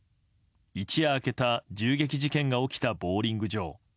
一夜明けた銃撃事件が起きたボウリング場。